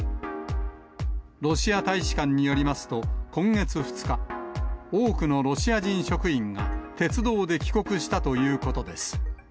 ロシア大使館によりますと、今月２日、多くのロシア人職員が鉄道で帰国したということです。